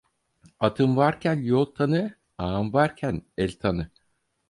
Atın varken yol tanı ağan varken el tanı.